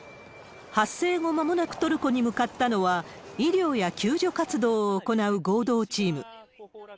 発生後まもなくトルコに向かったのは、医療や救助活動を行う合同チーム。